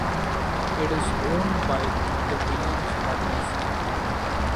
It is owned by the Williams Partners.